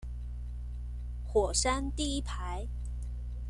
火山第一排